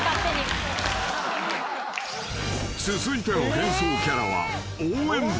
［続いての変装キャラは］